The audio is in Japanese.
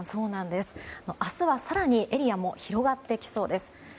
明日は更にエリアも広がってきそうです。